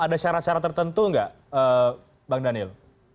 ada syarat syarat tertentu nggak bang daniel